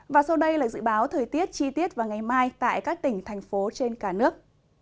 và sau đây là dự báo thời tiết chi tiết vào ngày mai tại các tỉnh thành phố trên cả nước